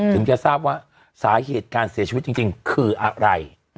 ถึงจะทราบว่าสาเหตุการเสียชีวิตจริงคืออะไร